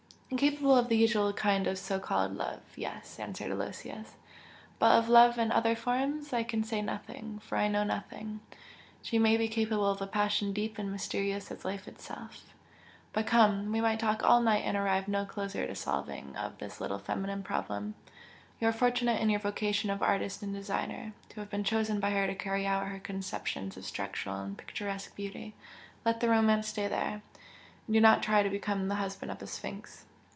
"Incapable of the usual kind of so called 'love' yes!" answered Aloysius "But of love in other forms I can say nothing, for I know nothing! she may be capable of a passion deep and mysterious as life itself. But come! we might talk all night and arrive no closer to the solving of this little feminine problem! You are fortunate in your vocation of artist and designer, to have been chosen by her to carry out her conceptions of structural and picturesque beauty let the romance stay there! and do not try to become the husband of a Sphinx!"